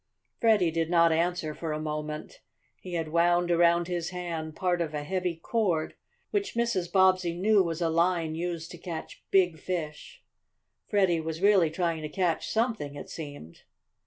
Freddie did not answer for a moment. He had wound around his hand part of a heavy cord, which Mrs. Bobbsey knew was a line used to catch big fish. Freddie was really trying to catch something, it seemed.